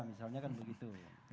misalnya kan begitu